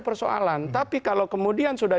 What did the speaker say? persoalan tapi kalau kemudian sudah